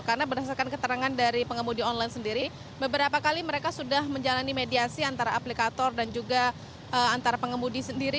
karena berdasarkan keterangan dari pengemudi online sendiri beberapa kali mereka sudah menjalani mediasi antara aplikator dan juga antara pengemudi sendiri